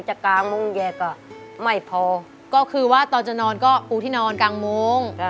จะกางมุงแยกอ่ะไม่พอก็คือว่าตอนจะนอนก็ปูที่นอนกางมุงอ่า